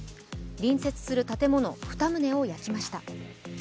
隣接する建物２棟を焼きました。